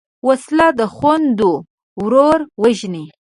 وسله د خویندو ورور وژني